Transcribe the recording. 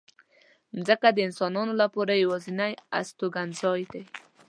مځکه د انسانانو لپاره یوازینۍ استوګنځای دی.